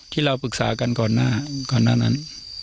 ที่เราปรึกษากันก่อนหน้านั้น